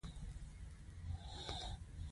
نه ځینې یې د خوړلو دي لکه مرخیړي